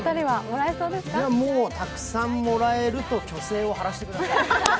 いや、たくさんもらえると虚勢を張らせてください。